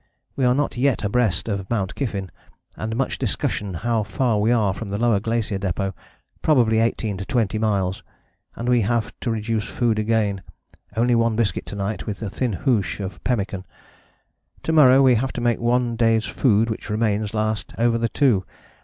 We are not yet abreast of Mt. Kyffin, and much discussion how far we are from the Lower Glacier Depôt, probably 18 to 20 m.: and we have to reduce food again, only one biscuit to night with a thin hoosh of pemmican. To morrow we have to make one day's food which remains last over the two.